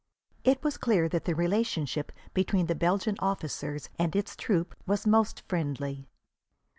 It was clear that the relationship between the Belgian officers and their troops was most friendly.